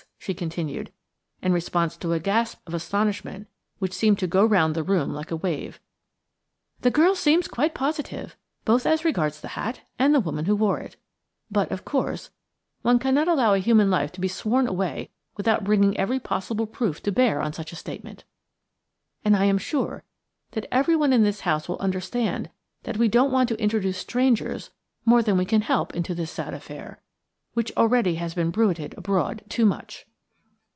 she continued, in response to a gasp of astonishment which seemed to go round the room like a wave, "the girl seems quite positive, both as regards the hat and the woman who wore it. But, of course, one cannot allow a human life to be sworn away without bringing every possible proof to bear on such a statement, and I am sure that everyone in this house will understand that we don't want to introduce strangers more than we can help into this sad affair, which already has been bruited abroad too much."